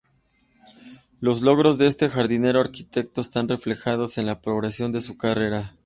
Los logros de este jardinero arquitecto están reflejados en la progresión de su carrera.